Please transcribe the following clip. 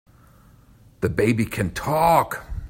The baby can TALK!